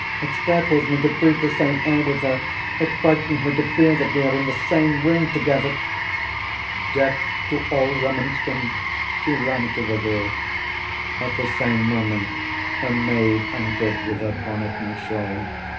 It stifles me to breathe the same air with her! It frightens me to feel that we are in the same room together!" Deaf to all remonstrance, she ran to the door. At the same moment, her maid entered with her bonnet and shawl.